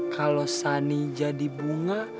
kalau sani jadi bunga